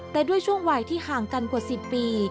แต่ด้วยช่วงวัยที่ห่างกันกว่า๑๐ปี